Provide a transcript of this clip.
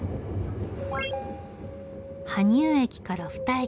羽生駅から２駅。